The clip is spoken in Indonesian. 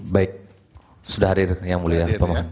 baik sudah hadir yang mulia